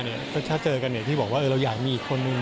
เอาชะเจอกันที่บอกว่าเราอยากมีอีกคนนึง